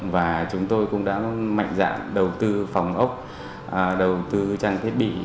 và chúng tôi cũng đã mạnh dạng đầu tư phòng ốc đầu tư trang thiết bị